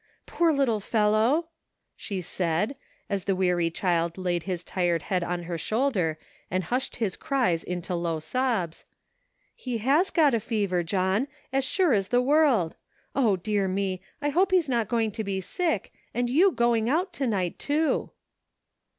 " Poor little fellow !" she said, as the weary child laid his tired head on her shoulder and hushed his cries into low sobs; "he has got a fever, John, as sure as the world. O, dear me! I hope he's not going to be sick, and you going out to night, too."